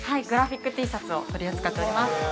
グラフィックＴシャツを取り扱っております。